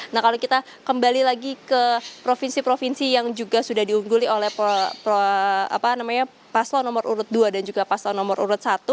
nah kalau kita kembali lagi ke provinsi provinsi yang juga sudah diungguli oleh paslon nomor urut dua dan juga paslon nomor urut satu